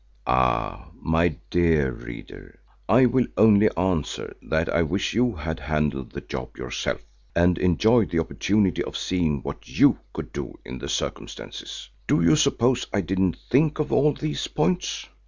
Ah! my dear reader, I will only answer that I wish you had handled the job yourself, and enjoyed the opportunity of seeing what you could do in the circumstances. Do you suppose I didn't think of all these points?